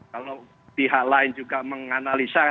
kalau pihak lain juga menganalisa